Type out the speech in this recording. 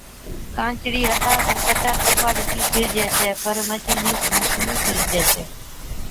ڪانچڙِي ھٿا سُون ڪچا ٽوپا ڏِتِي سِيڙجَي ڇَي، پر مشِيني سُون ڪونھِي سِيڙجي ڇَي